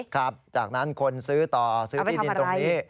ครับจากนั้นคนซื้อต่อซื้อที่ดินตรงนี้